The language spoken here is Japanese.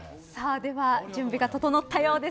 では準備が整ったようです。